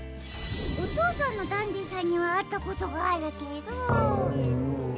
おとうさんのダンディさんにはあったことがあるけど。